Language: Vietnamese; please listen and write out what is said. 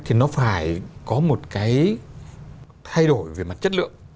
thì nó phải có một cái thay đổi về mặt chất lượng